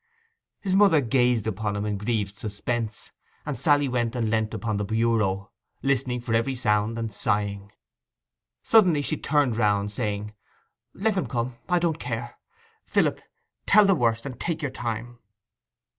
His mother gazed upon him in grieved suspense, and Sally went and leant upon the bureau, listening for every sound, and sighing. Suddenly she turned round, saying, 'Let them come, I don't care! Philip, tell the worst, and take your time.